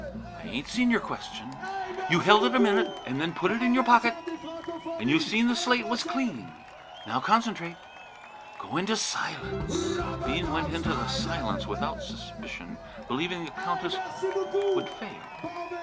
I ain't seen your question; you held it a minute and then put it in your pocket. An' you seen the slate was clean. Now concentrate; go into the Silence!" Bean went into the Silence without suspicion, believing the Countess would fail.